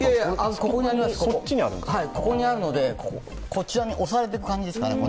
ここにあります、ここにあるのでこちらに押されていく感じですかね。